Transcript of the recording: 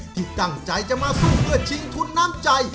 ที่ตั้งใจจะมาสู้เพื่อชิงทุนน้ำใจ